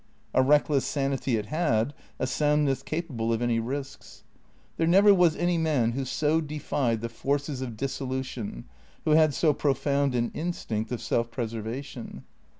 A reckless sanity it had, a soundness capable of any risks. There never was any man who so defied the forces of dissolution, who had so profound an instinct of self preservation.